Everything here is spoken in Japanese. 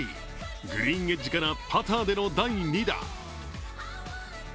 グリーンエッジからパターでの第２打。